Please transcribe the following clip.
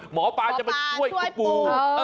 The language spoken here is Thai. หมอปลาจะมาช่วยคุณปู